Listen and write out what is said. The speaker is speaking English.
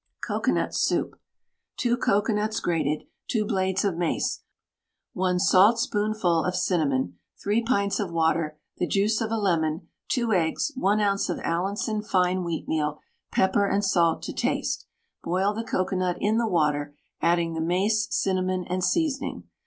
COCOANUT SOUP. 2 cocoanuts grated, 2 blades of mace, 1 saltspoonful of cinnamon, 3 pints of water, the juice of a lemon, 2 eggs, 1 oz. of Allinson fine wheatmeal, pepper and salt to taste. Boil the cocoanut in the water, adding the mace, cinnamon, and seasoning.